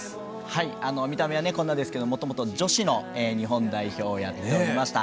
見た目はこんなですけどもともと女子の日本代表をやっておりました。